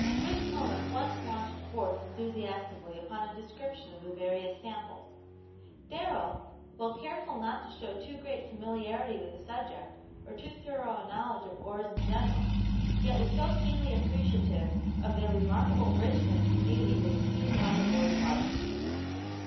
Whitcomb at once launched forth enthusiastically upon a description of the various samples. Darrell, while careful not to show too great familiarity with the subject, or too thorough a knowledge of ores in general, yet was so keenly appreciative of their remarkable richness and beauty that he soon won the boy's heart.